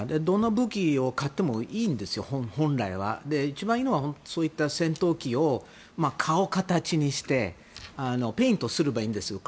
どの武器を買ってもいいんです、本来は一番いいのはそういった戦闘機を買う形にしてペイントすればいいんです。